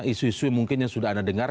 isu isu mungkin yang sudah anda dengar